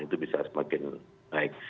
itu bisa semakin baik